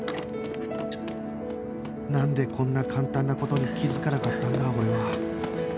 なんでこんな簡単な事に気づかなかったんだ俺は